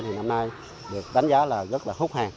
năm nay được đánh giá là rất hút hàng